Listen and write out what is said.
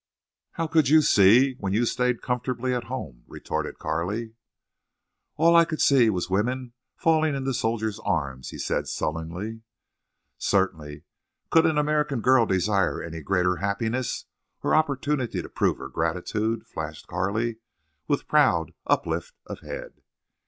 "How could you see when you stayed comfortably at home?" retorted Carley. "All I could see was women falling into soldiers' arms," he said, sullenly. "Certainly. Could an American girl desire any greater happiness—or opportunity to prove her gratitude?" flashed Carley, with proud uplift of head.